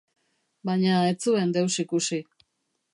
Baina ez zuen deus ikusi.